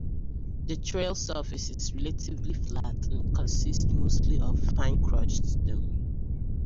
The trail surface is relatively flat and consists mostly of fine crushed stone.